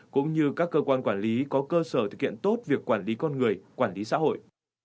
cũng như các cơ quan quản lý có cơ sở thực hiện tốt việc quản lý con người quản lý xã hội